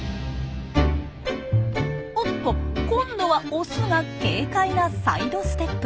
おっと！今度はオスが軽快なサイドステップ！